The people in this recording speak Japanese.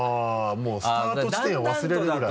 もうスタート地点を忘れるぐらい。